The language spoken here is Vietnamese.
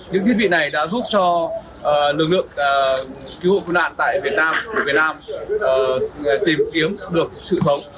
những thiết bị này đã giúp cho lực lượng cứu hộ cứu nạn tại việt nam tìm kiếm được sự sống